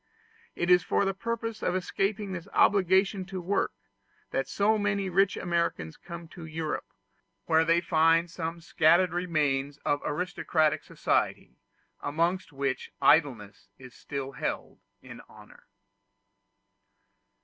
It is for the purpose of escaping this obligation to work, that so many rich Americans come to Europe, where they find some scattered remains of aristocratic society, amongst which idleness is still held in honor.